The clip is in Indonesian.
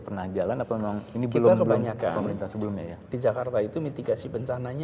pernah jalan atau memang ini belum kebanyakan sebelumnya di jakarta itu mitigasi bencana